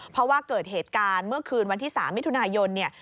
เพราะว่าเกิดเหตุการณ์เมื่อคืนวันที่๓มิถุนายนเนี่ย